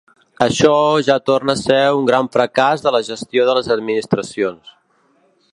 Això ja torna a ser un gran fracàs de la gestió de les administracions.